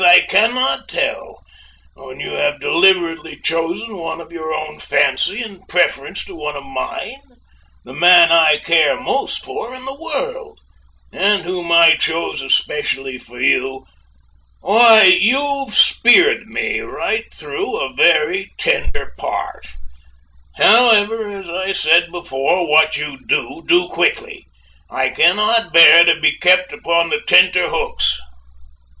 I cannot tell; when you have deliberately chosen one of your own fancy, in preference to one of mine the man I care most for in the world, and whom I chose especially for you; why, you've speared me right through a very tender part; however, as I said before, what you do, do quickly! I cannot bear to be kept upon the tenter hooks!"